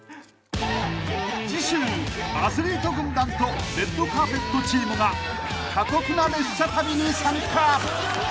［次週アスリート軍団とレッドカーペットチームが過酷な列車旅に参加］